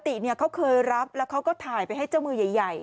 ปกติเขาเคยรับแล้วเขาก็ถ่ายไปให้เจ้ามือใหญ่